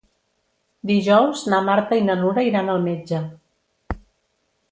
Dijous na Marta i na Nura iran al metge.